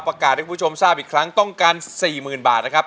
ให้คุณผู้ชมทราบอีกครั้งต้องการ๔๐๐๐บาทนะครับ